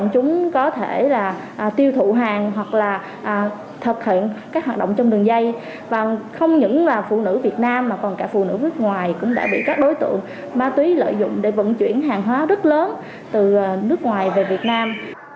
chúng có thể là tiêu thụ hàng hoặc là thực hiện các hoạt động trong đường dây và không những là phụ nữ việt nam mà còn cả phụ nữ nước ngoài cũng đã bị các đối tượng ma túy lợi dụng để vận chuyển hàng hóa rất lớn từ nước ngoài về việt nam